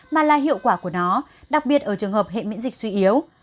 mà là hiệu quả của nó đặc biệt ở trường hợp hệ miễn dịch suy yếu